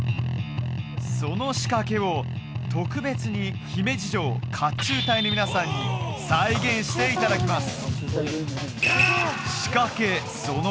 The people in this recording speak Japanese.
その仕掛けを特別に姫路城甲冑隊の皆さんに再現していただきます